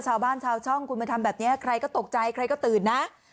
ชาวบ้านชาวช่องคุณมาทำแบบนี้ใครก็ตกใจใครก็ตื่นนะ